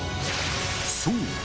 そう！